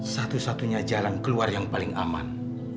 satu satunya jalan keluar yang paling aman